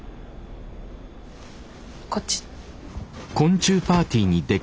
こっち。